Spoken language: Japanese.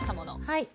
はい。